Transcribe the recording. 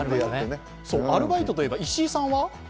アルバイトといえば石井さんは？